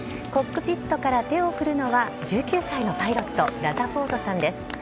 コックピットから手を振るのは１９歳のパイロットラザフォードさんです。